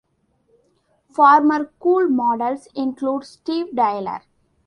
Former Kool Models include Steve Tyler.